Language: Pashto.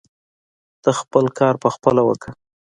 ته خپل کار پخپله وکړه.